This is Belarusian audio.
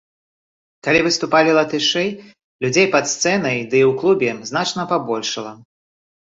Калі выступалі латышы людзей пад сцэнай, ды і ў клубе, значна пабольшала.